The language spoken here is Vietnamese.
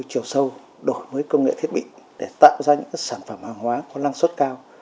chiều sâu đổi mới công nghệ thiết bị để tạo ra những sản phẩm hàng hóa có năng suất cao